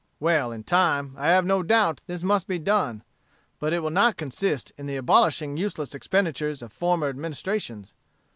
Well, in time, I have no doubt, this must be done; but it will not consist in the abolishing useless expenditures of former Administrations.